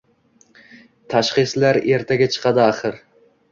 Tashxislar ertaga chiqadi axir.